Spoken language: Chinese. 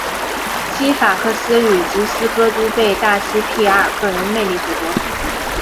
西法克斯与吉斯戈都被大西庇阿的个人魅力所折服。